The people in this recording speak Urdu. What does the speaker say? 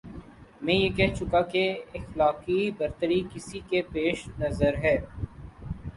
یہ میں کہہ چکا کہ اخلاقی برتری کسی کے پیش نظر ہے۔